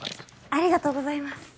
ありがとうございます。